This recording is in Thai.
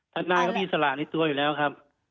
ทนายเขามีสละในตัวอยู่แล้วครับ